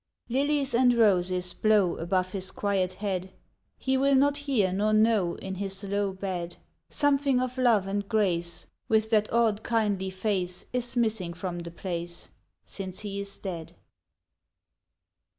Lillies and roses blow Above his quiet head, He will not hear nor know In his low bed. Something of love and grace With that old kindly face Is missing from the place Since he his dead.